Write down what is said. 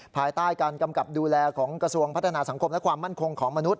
ภายใต้การกำกับดูแลของกระทรวงพัฒนาสังคมและความมั่นคงของมนุษ